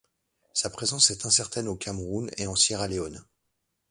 Sa présence est incertaine au Cameroun et en Sierra Leone.